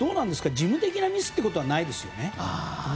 事務的なミスということはないですよね？